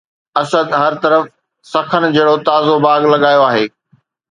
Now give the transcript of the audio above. اسد هر طرف سخن جهڙو تازو باغ لڳايو آهي